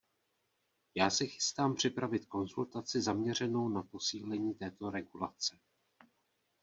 Já se chystám připravit konzultaci zaměřenou na posílení této regulace.